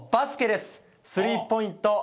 スリーポイント